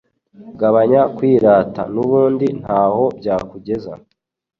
Gabanya kwirata nubundi ntaho byakugeza